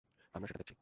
আমরা সেটা দেখছি।